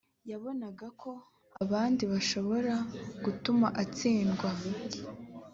yabonaga ko abandi bashoboraga gutuma atsindwa